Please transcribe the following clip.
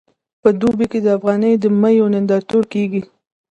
په دوبۍ کې د افغاني میوو نندارتون کیږي.